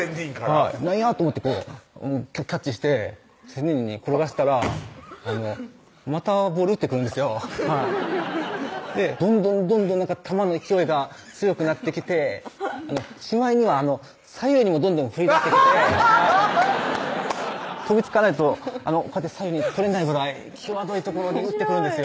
はい何や？と思ってこうキャッチして仙人に転がしたらまたボール打ってくるんですよどんどんどんどん球の勢いが強くなってきてしまいには左右にもどんどん振りだしてきて飛びつかないとこうやって左右に捕れないぐらい際どい所に打ってくるんですよ